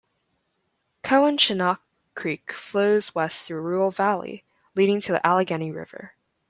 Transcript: Cowanshannock Creek flows west through Rural Valley, leading to the Allegheny River.